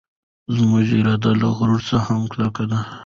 زموږ اراده له غره څخه هم کلکه ده.